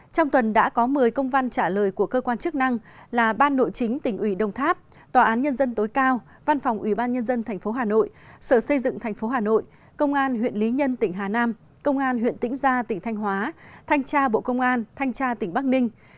trong tuần đã có một mươi công văn trả lời của cơ quan chức năng là ban nội chính tỉnh ủy đồng tháp tòa án nhân dân tối cao văn phòng ubnd tp hà nội sở xây dựng thành phố hà nội công an huyện lý nhân tỉnh hà nam công an huyện tĩnh gia tỉnh thanh hóa thanh tra bộ công an thanh tra tỉnh bắc ninh